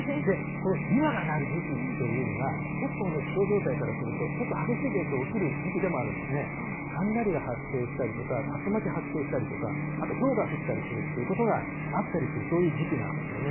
このビワがなる時期っていうのが、結構ね、気象状態からすると、けっこう激しい現象が起きる時期でもあるんですね。雷が発生したりとか、竜巻が発生したりとか、あとひょうが降ったりするっていうことがあったりする、そういう時期なんですよね。